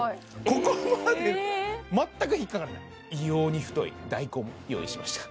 ここまで全く引っ掛からない異様に太い大根用意しました